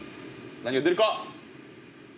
◆何が出るか？